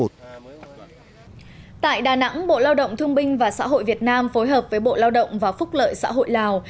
tại đà nẵng bộ lao động thương binh và xã hội việt nam phối hợp với bộ lao động và phúc lợi xã hội lào